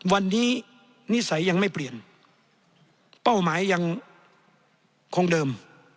วันนี้นิสัยยังไม่เปลี่ยนเป้าหมายยังคงเดิม